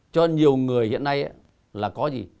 cho nên nhiều người hiện nay là có gì